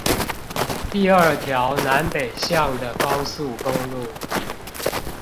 第二條南北向的高速公路